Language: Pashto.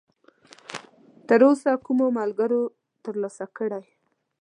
تراوسه کومو ملګرو ترلاسه کړی!؟